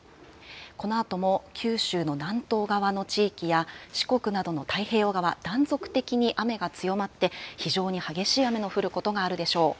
このあとも九州の南東側の地域や、四国などの太平洋側、断続的に雨が強まって、非常に激しい雨の降ることがあるでしょう。